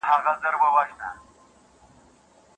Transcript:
د شاعر او لیکوال انجنیر سلطان جان کلیوال په ویر کي